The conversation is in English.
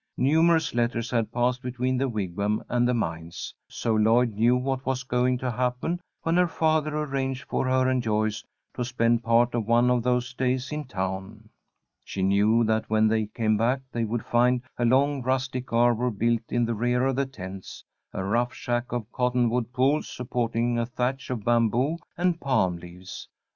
Numerous letters had passed between the Wigwam and the mines, so Lloyd knew what was going to happen when her father arranged for her and Joyce to spend part of one of those days in town. She knew that when they came back they would find a long rustic arbour built in the rear of the tents a rough shack of cottonwood poles supporting a thatch of bamboo and palm leaves.